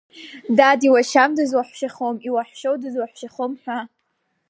Дад, иуашьам дызуаҳәшьахом, иуаҳәшьам дызуаҳәшьахом ҳәа.